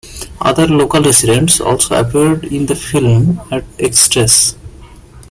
Other local residents also appeared in the film as extras.